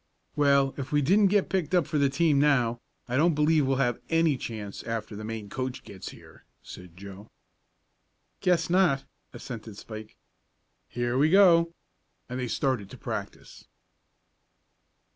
"Well, if we didn't get picked for the team now, I don't believe we'll have any chance after the main coach gets here," said Joe. "Guess not," assented Spike. "Here we go." And they started to practice.